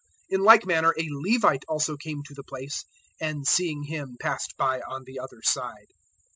010:032 In like manner a Levite also came to the place, and seeing him passed by on the other side.